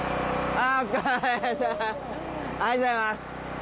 ありがとうございます！